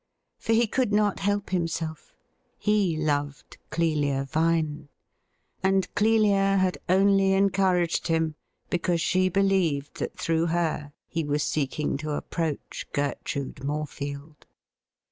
For he could not help himself — ^he loved Clelia Vine. And Clelia had only encouraged him because she believed that through her he was seeking to approach Gertrude Morefield.